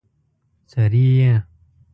څري يې؟